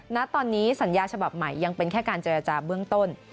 ณตอนนี้สัญญาฉบับใหม่ยังเป็นแค่การเจรจาเบื้องต้น